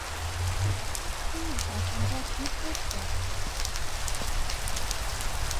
Ой, ачамжат, ит вурсо